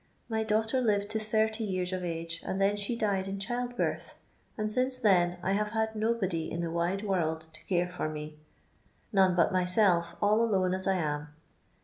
My daughter lived to 80 yeara of age, and then she died in childbirth, and, since then, I have had nobody in the wide world to care for mc — none but myself, all alone aa I am.